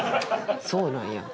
そうなんや。